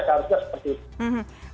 harusnya seperti itu